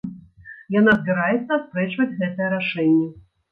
Яна збіраецца аспрэчваць гэтае рашэнне.